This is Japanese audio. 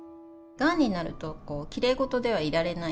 がんになるときれい事ではいられない。